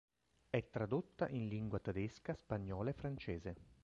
È tradotta in lingua tedesca, spagnola e francese.